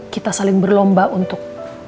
kita saling berlomba untuk